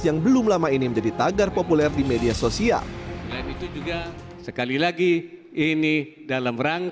yang belum lama ini menjadi tagar populer di media sosial